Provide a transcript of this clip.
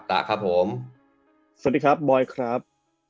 สวัสดีครับบอยครับ